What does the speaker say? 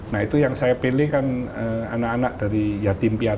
nah itu yang saya pilih kan anak anak dari yatim piatu